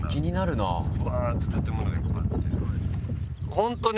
ホントに。